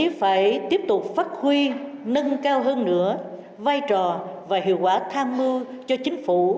phải tiếp tục phát huy nâng cao hơn nữa vai trò và hiệu quả tham mưu cho chính phủ